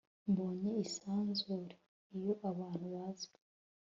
mbonye isanzure, iyo abantu bazwi